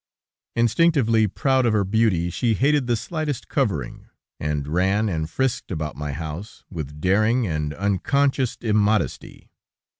Instinctively proud of her beauty, she hated the slightest covering, and ran and frisked about my house with daring and unconscious immodesty.